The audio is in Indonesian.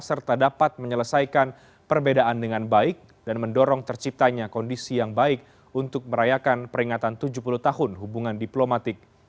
serta dapat menyelesaikan perbedaan dengan baik dan mendorong terciptanya kondisi yang baik untuk merayakan peringatan tujuh puluh tahun hubungan diplomatik